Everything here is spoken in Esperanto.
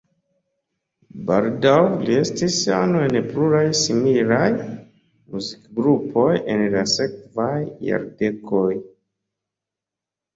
Baldaŭ li estis ano en pluraj similaj muzikgrupoj en la sekvaj jardekoj.